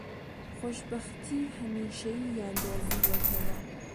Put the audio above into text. خۆشبەختیی هەمیشەییان دۆزیوەتەوە